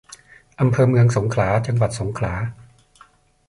อำเภอเมืองสงขลา จังหวัดสงขลา